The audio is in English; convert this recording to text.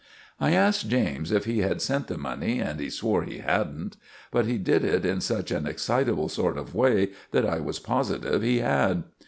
I asked James if he had sent the money, and he swore he hadn't; but he did it in such an excitable sort of way that I was positive he had.